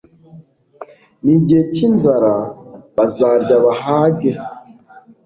n’igihe cy’inzara bazarya bahage